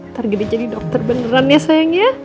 ntar gini jadi dokter beneran ya sayang ya